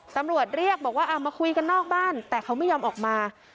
ตำรวจเรียกบอกว่าเอามาคุยกันนอกบ้านแต่เขาไม่ยอมออกมา